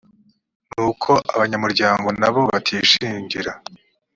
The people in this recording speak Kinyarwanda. n uko abanyamuryango nabo batishingira